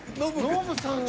ノブさんが。